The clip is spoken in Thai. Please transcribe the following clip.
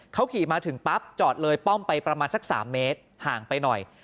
เขาขี่มาถึงปั๊บจอดเลยป้อมไปประมาณสัก๓เมตรห่างไปหน่อย